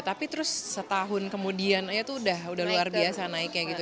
tapi terus setahun kemudian aja tuh udah luar biasa naiknya gitu